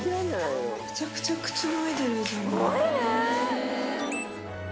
めちゃくちゃくつろいでるじゃない。